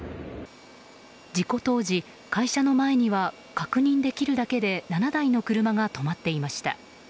事故当時、会社の前には確認できるだけで７台の車が止まっていました。